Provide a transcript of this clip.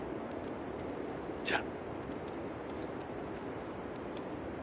じゃあ。